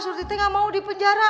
surti t gak mau dipenjara